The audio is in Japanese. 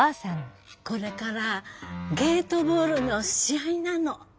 これからゲートボールの試合なの。